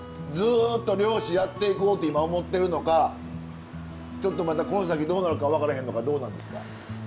ずっと漁師やっていこうって今思ってるのかちょっとまたこの先どうなるか分かれへんのかどうなんですか？